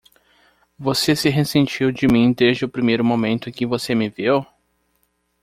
Você se ressentiu de mim desde o primeiro momento em que você me viu!